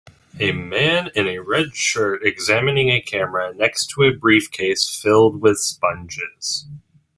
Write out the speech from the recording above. A man in a red shirt examining a camera next to a briefcase filled with sponges.